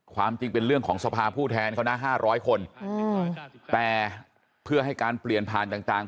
ความจริงเป็นเรื่องของสภาผู้แทนเขานะ๕๐๐คนแต่เพื่อให้การเปลี่ยนผ่านต่าง